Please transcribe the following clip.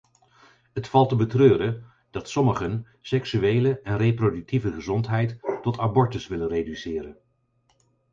Het valt te betreuren dat sommigen seksuele en reproductieve gezondheid tot abortus willen reduceren.